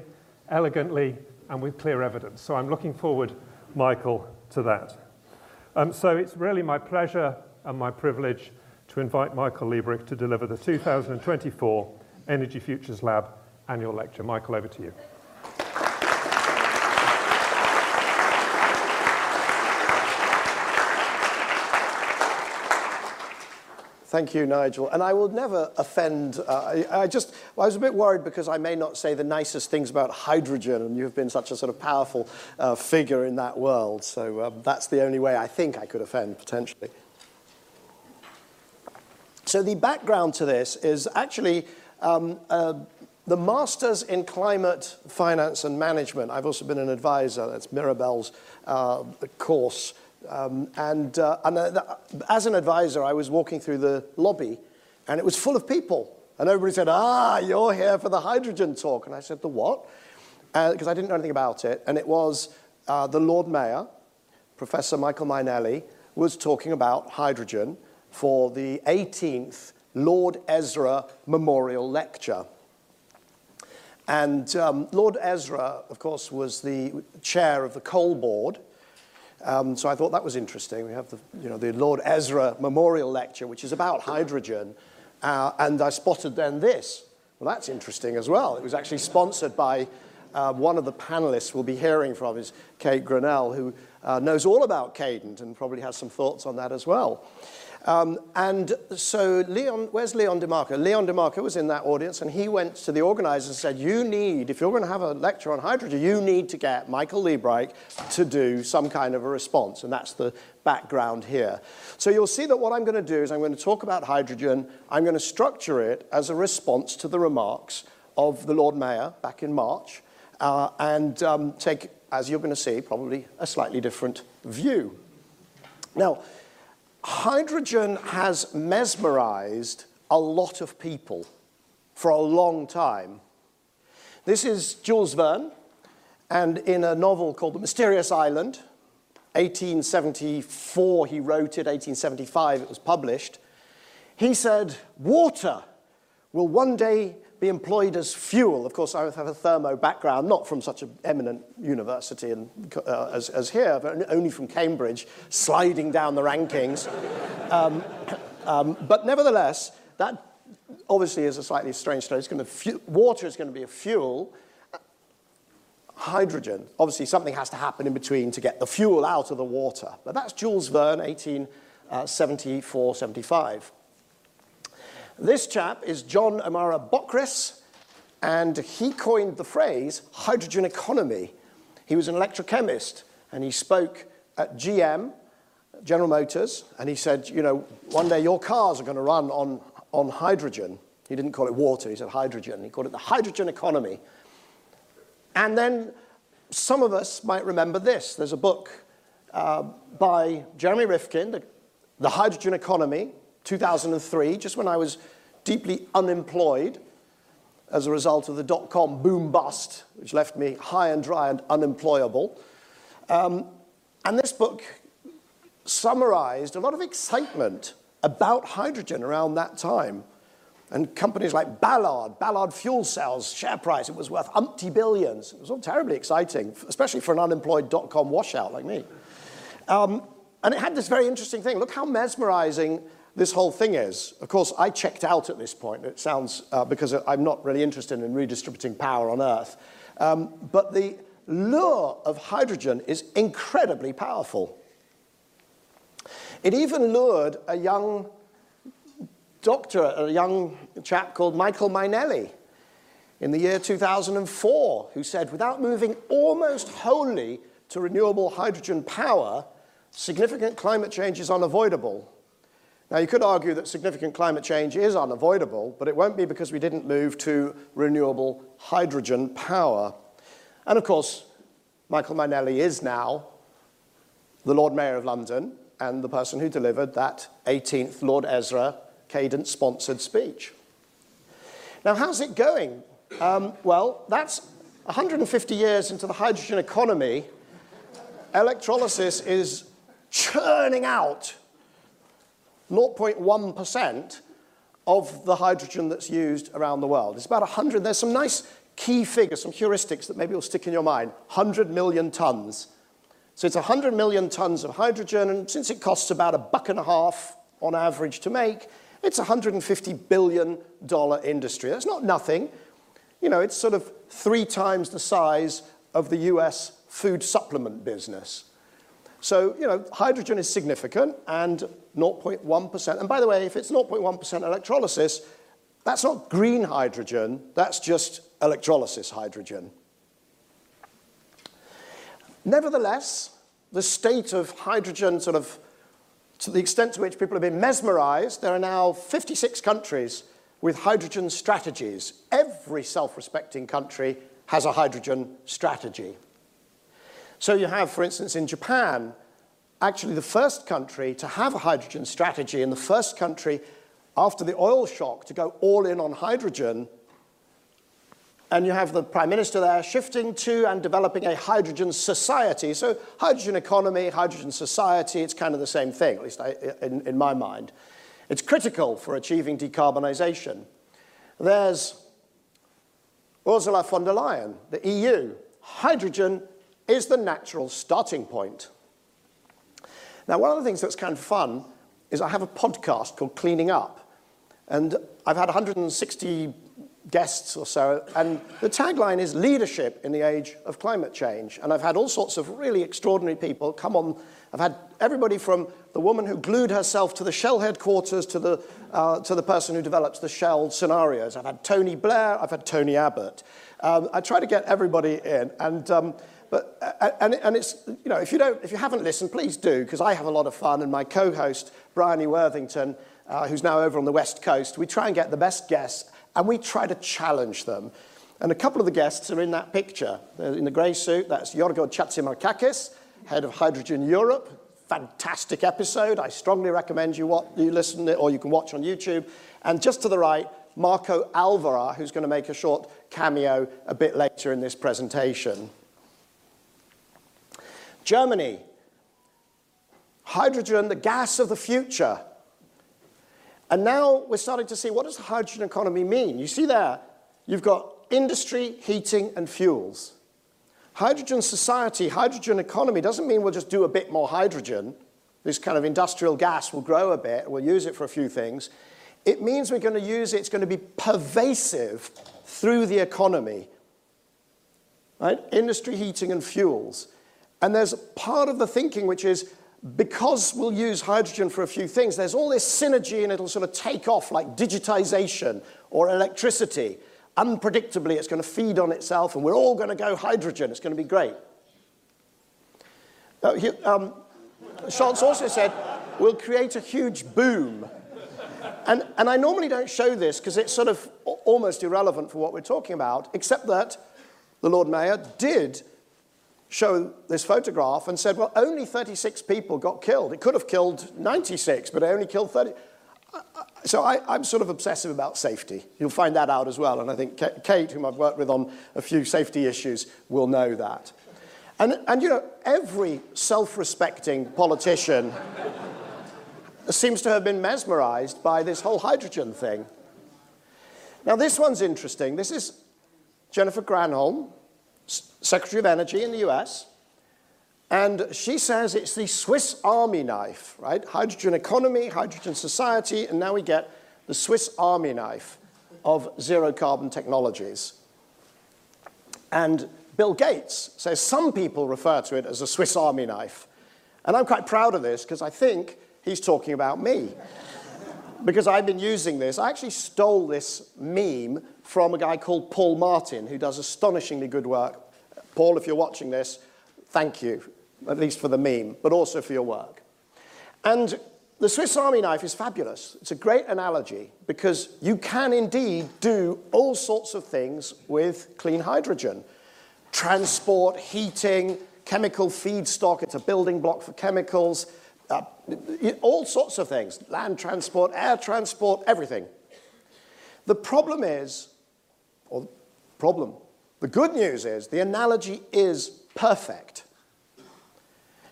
elegantly, and with clear evidence. I'm looking forward, Michael, to that. It's really my pleasure and my privilege to invite Michael Liebreich to deliver the 2024 Energy Futures Lab Annual Lecture. Michael, over to you. Thank you, Nigel. I will never offend. I was a bit worried because I may not say the nicest things about hydrogen, and you've been such a sort of powerful figure in that world. That's the only way I think I could offend potentially. The background to this is actually the Masters in Climate Finance and Management. I've also been an advisor. That's Mirabel's course. As an advisor, I was walking through the lobby and it was full of people, and everybody said, "You're here for the hydrogen talk." I said, "The what?" 'Cause I didn't know anything about it. It was the Lord Mayor, Professor Michael Mainelli, was talking about hydrogen for the eighteenth Lord Ezra Memorial Lecture. Lord Ezra, of course, was the chair of the Coal Board. I thought that was interesting. We have the, you know, the Lord Ezra Memorial Lecture, which is about hydrogen. I spotted this. Well, that's interesting as well. It was actually sponsored by one of the panelists we'll be hearing from is Kate Grannell, who knows all about Cadent and probably has some thoughts on that as well. Where's Leon DeMarco? Leon DeMarco was in that audience, and he went to the organizer and said, "You need If you're gonna have a lecture on hydrogen, you need to get Michael Liebreich to do some kind of a response." That's the background here. You'll see that what I'm gonna do is I'm gonna talk about hydrogen. I'm gonna structure it as a response to the remarks of the Lord Mayor back in March, and take, as you're gonna see, probably a slightly different view. Hydrogen has mesmerized a lot of people for a long time. This is Jules Verne, in a novel called The Mysterious Island, 1874 he wrote it, 1875 it was published. He said, "Water will one day be employed as fuel." Of course, I have a thermo background, not from such an eminent university as here, but only from Cambridge, sliding down the rankings. Nevertheless. Obviously is a slightly strange phrase. Water is gonna be a fuel. Hydrogen. Obviously something has to happen in between to get the fuel out of the water. That's Jules Verne, 1874, 1875. This chap is John O'Mara Bockris, and he coined the phrase hydrogen economy. He was an electrochemist, and he spoke at GM, General Motors, and he said, "You know, one day your cars are gonna run on hydrogen." He didn't call it water, he said hydrogen. He called it the hydrogen economy. Some of us might remember this. There's a book by Jeremy Rifkin, The Hydrogen Economy, 2003, just when I was deeply unemployed as a result of the dotcom boom bust, which left me high and dry and unemployable. This book summarized a lot of excitement about hydrogen around that time, and companies like Ballard fuel cells, share price, it was worth umpty billions. It was all terribly exciting, especially for an unemployed dotcom washout like me. It had this very interesting thing. Look how mesmerizing this whole thing is. Of course, I checked out at this point, it sounds because I'm not really interested in redistributing power on Earth. The lure of hydrogen is incredibly powerful. It even lured a young doctor, a young chap called Michael Mainelli, in the year 2004, who said, "Without moving almost wholly to renewable hydrogen power, significant climate change is unavoidable." You could argue that significant climate change is unavoidable, but it won't be because we didn't move to renewable hydrogen power. Of course, Michael Mainelli is now the Lord Mayor of London and the person who delivered that 18th Lord Ezra Cadent sponsored speech. How's it going? Well, that's 150 years into the hydrogen economy. Electrolysis is churning out 0.1% of the hydrogen that's used around the world. There's some nice key figures, some heuristics that maybe will stick in your mind. 100 million tons. It's 100 million tons of hydrogen, and since it costs about $1.50 on average to make, it's a $150 billion industry. That's not nothing. You know, it's sort of 3x the size of the U.S. food supplement business. You know, hydrogen is significant and 0.1%. By the way, if it's 0.1% electrolysis, that's not green hydrogen, that's just electrolysis hydrogen. Nevertheless, the state of hydrogen, sort of to the extent to which people have been mesmerized, there are now 56 countries with hydrogen strategies. Every self-respecting country has a hydrogen strategy. You have, for instance, in Japan, actually the first country to have a hydrogen strategy and the first country after the oil shock to go all in on hydrogen, and you have the prime minister there shifting to and developing a hydrogen society. Hydrogen economy, hydrogen society, it's kind of the same thing, at least in my mind. It's critical for achieving decarbonization. There's Ursula von der Leyen, the EU. Hydrogen is the natural starting point." One of the things that's kind of fun is I have a podcast called Cleaning Up, and I've had 160 guests or so, and the tagline is Leadership in the Age of Climate Change, and I've had all sorts of really extraordinary people come on. I've had everybody from the woman who glued herself to the Shell headquarters to the person who developed the Shell scenarios. I've had Tony Blair. I've had Tony Abbott. I try to get everybody in. It's, you know, if you haven't listened, please do, 'cause I have a lot of fun, and my co-host, Bryony Worthington, who's now over on the West Coast, we try and get the best guests, and we try to challenge them. A couple of the guests are in that picture. In the gray suit, that's Giorgos Tsiamis, Head of Hydrogen Europe. Fantastic episode. I strongly recommend you listen to it, or you can watch on YouTube. Just to the right, Marco Alverà, who's gonna make a short cameo a bit later in this presentation. Germany, hydrogen, the gas of the future. Now we're starting to see what does hydrogen economy mean? You see there you've got industry, heating, and fuels. Hydrogen society, hydrogen economy doesn't mean we'll just do a bit more hydrogen, this kind of industrial gas. We'll grow a bit. We'll use it for a few things. It means we're gonna use it. It's gonna be pervasive through the economy, right? Industry, heating, and fuels. There's part of the thinking which is because we'll use hydrogen for a few things, there's all this synergy, and it'll sort of take off like digitization or electricity. Unpredictably, it's gonna feed on itself, and we're all gonna go hydrogen. It's gonna be great. Scholz also said, "We'll create a huge boom." I normally don't show this 'cause it's sort of almost irrelevant for what we're talking about, except that the Lord Mayor did show this photograph and said, "Well, only 36 people got killed. It could have killed 96, but it only killed 30." I'm sort of obsessive about safety. You'll find that out as well, and I think Kate, whom I've worked with on a few safety issues, will know that. You know, every self-respecting politician seems to have been mesmerized by this whole hydrogen thing. This one's interesting. This is Jennifer Granholm, Secretary of Energy in the U.S. She says it's the Swiss Army knife, right? Hydrogen economy, hydrogen society, and now we get the Swiss Army knife of zero carbon technologies. Bill Gates says some people refer to it as a Swiss Army knife, and I'm quite proud of this because I think he's talking about me, because I've been using this. I actually stole this meme from a guy called Paul Martin, who does astonishingly good work. Paul, if you're watching this, thank you, at least for the meme, but also for your work. The Swiss Army knife is fabulous. It's a great analogy because you can indeed do all sorts of things with clean hydrogen. Transport, heating, chemical feedstock, it's a building block for chemicals, all sorts of things. Land transport, air transport, everything. The good news is the analogy is perfect.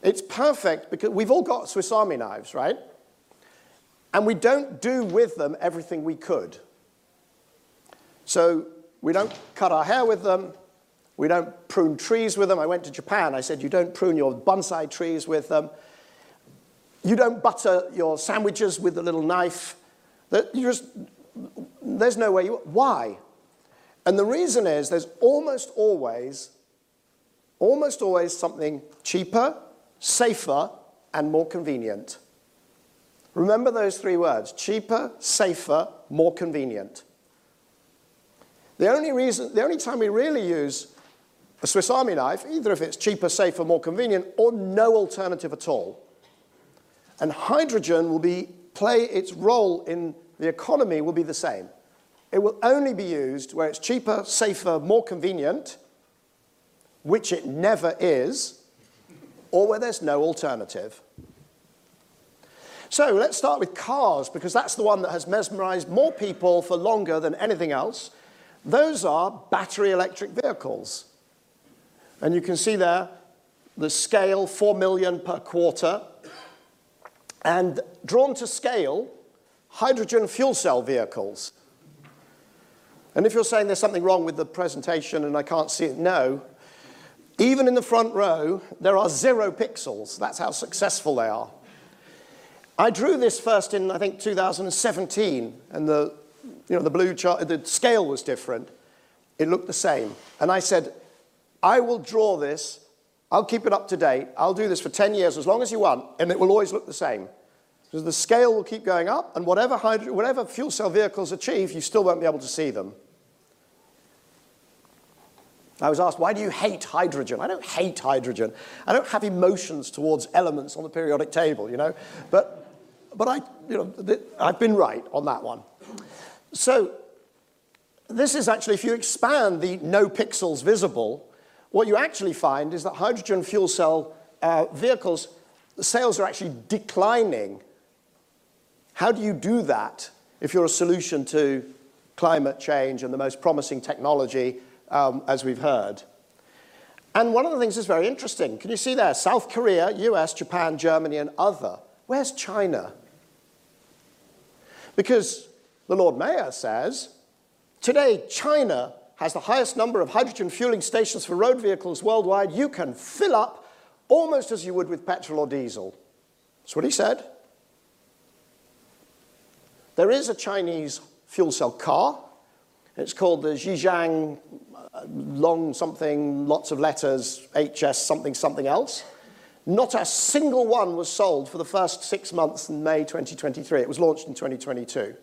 It's perfect because we've all got Swiss Army knives, right? We don't do with them everything we could. We don't cut our hair with them. We don't prune trees with them. I went to Japan, I said, "You don't prune your bonsai trees with them. You don't butter your sandwiches with the little knife." Why? The reason is there's almost always something cheaper, safer, and more convenient. Remember those three words, cheaper, safer, more convenient. The only time we really use a Swiss Army knife, either if it's cheaper, safer, more convenient, or no alternative at all. Hydrogen will play its role in the economy will be the same. It will only be used where it's cheaper, safer, more convenient, which it never is, or where there's no alternative. Let's start with cars, because that's the one that has mesmerized more people for longer than anything else. Those are battery electric vehicles. You can see there the scale, four million per quarter, and drawn to scale, hydrogen fuel cell vehicles. If you're saying there's something wrong with the presentation, and I can't see it, no. Even in the front row, there are zero pixels. That's how successful they are. I drew this first in, I think, 2017, and the, you know, the blue chart, the scale was different. It looked the same. I said, "I will draw this. I'll keep it up to date. I'll do this for 10 years as long as you want, and it will always look the same." Because the scale will keep going up, whatever fuel cell vehicles achieve, you still won't be able to see them. I was asked, "Why do you hate hydrogen?" I don't hate hydrogen. I don't have emotions towards elements on the periodic table, you know? I, you know, I've been right on that one. This is actually, if you expand the no pixels visible, what you actually find is that hydrogen fuel cell vehicles, sales are actually declining. How do you do that if you're a solution to climate change and the most promising technology, as we've heard? One of the things that's very interesting, can you see there South Korea, U.S., Japan, Germany, and other. Where's China? The Lord Mayor says, "Today, China has the highest number of hydrogen fueling stations for road vehicles worldwide. You can fill up almost as you would with petrol or diesel." That's what he said. There is a Chinese fuel cell car. It's called the Zhejiang Long something, lots of letters, HS something else. Not a single one was sold for the first six months in May 2023. It was launched in 2022.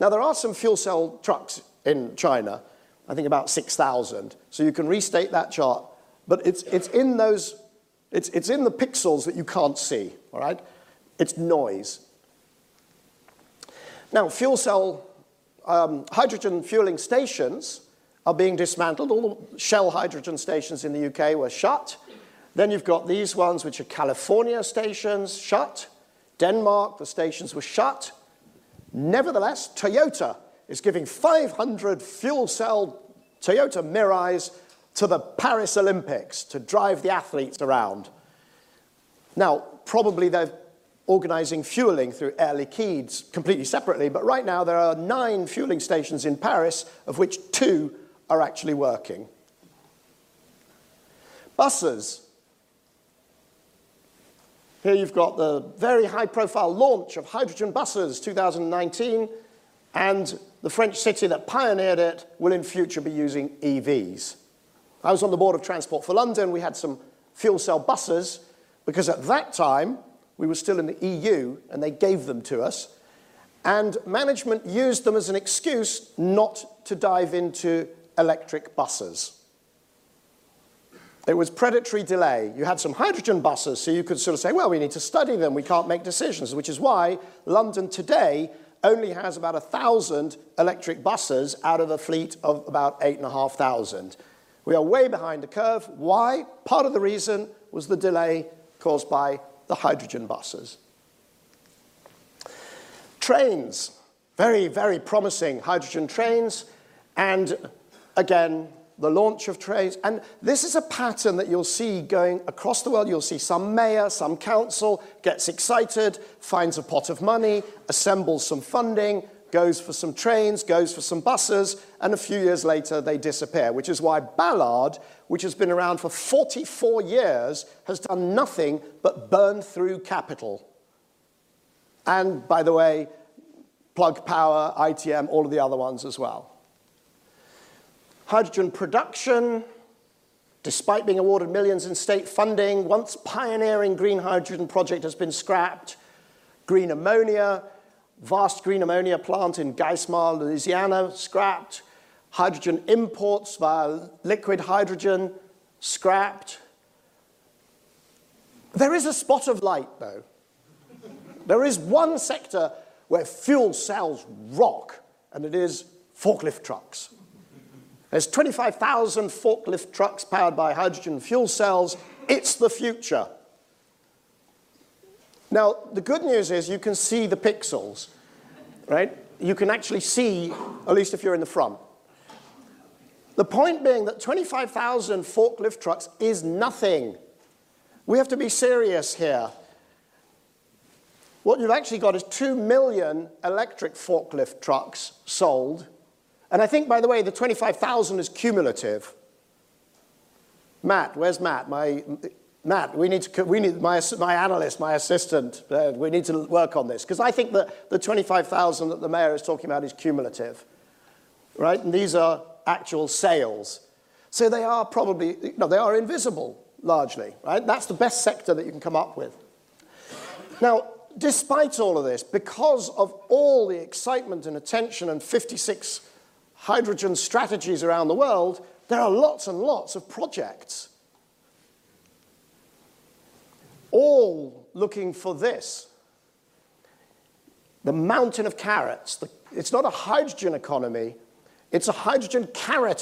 There are some fuel cell trucks in China, I think about 6,000. You can restate that chart, but it's in those. It's in the pixels that you can't see. All right? It's noise. Fuel cell hydrogen fueling stations are being dismantled. All the Shell hydrogen stations in the U.K. were shut. You've got these ones, which are California stations, shut. Denmark, the stations were shut. Toyota is giving 500 fuel cell Toyota Mirais to the Paris Olympics to drive the athletes around. Probably they're organizing fueling through Air Liquide completely separately, but right now there are nine fueling stations in Paris, of which two are actually working. Buses. Here you've got the very high-profile launch of hydrogen buses, 2019, the French city that pioneered it will in future be using EVs. I was on the board of Transport for London. We had some fuel cell buses because at that time, we were still in the EU, they gave them to us, management used them as an excuse not to dive into electric buses. It was predatory delay. You had some hydrogen buses, you could sort of say, "Well, we need to study them. We can't make decisions," which is why London today only has about 1,000 electric buses out of a fleet of about 8,500. We are way behind the curve. Why? Part of the reason was the delay caused by the hydrogen buses. Trains. Very, very promising hydrogen trains, again, the launch of trains. This is a pattern that you'll see going across the world. You'll see some mayor, some council gets excited, finds a pot of money, assembles some funding, goes for some trains, goes for some buses, and a few years later, they disappear, which is why Ballard, which has been around for 44 years, has done nothing but burn through capital. By the way, Plug Power, ITM, all of the other ones as well. Hydrogen production, despite being awarded millions in state funding, once pioneering green hydrogen project has been scrapped. Green ammonia, vast green ammonia plant in Geismar, Louisiana, scrapped. Hydrogen imports via liquid hydrogen, scrapped. There is a spot of light, though. There is one sector where fuel cells rock, and it is forklift trucks. There's 25,000 forklift trucks powered by hydrogen fuel cells. It's the future. The good news is you can see the pixels, right? You can actually see, at least if you're in the front. The point being that 25,000 forklift trucks is nothing. We have to be serious here. What you've actually got is two million electric forklift trucks sold, and I think, by the way, the 25,000 is cumulative. Matt, where's Matt? Matt, we need to work on this 'cause I think the 25,000 that the mayor is talking about is cumulative, right? These are actual sales, so they are No, they are invisible largely, right? That's the best sector that you can come up with. Despite all of this, because of all the excitement and attention and 56 hydrogen strategies around the world, there are lots and lots of projects all looking for this, the mountain of carrots. It's not a hydrogen economy, it's a hydrogen carrot-